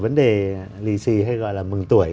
vấn đề lì xì hay gọi là mừng tuổi